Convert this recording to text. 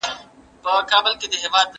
مرتد د ټولني لپاره خطر دی.